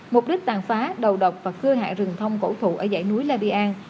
mục đích tàn phá đầu độc và cưa hạ rừng thông cổ thụ ở dãy núi lam bi an